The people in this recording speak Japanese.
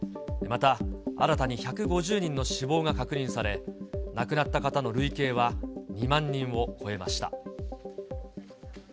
また新たに１５０人の死亡が確認され、亡くなった方の累計は２万人を超えました。